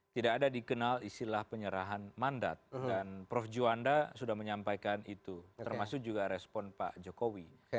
tidak ada dikenal istilah penyerahan mandat dan prof juwanda sudah menyampaikan itu termasuk juga respon pak jokowi